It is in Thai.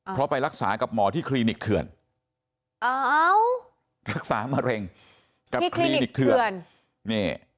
เพราะไปรักษากับหมอที่คลินิกเถื่อนรักษามะเร็งกับคลินิกเถื่อนนี่